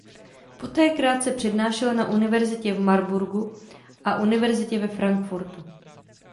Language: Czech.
Poté krátce přednášel na Univerzitě v Marburgu a Univerzitě ve Frankfurtu.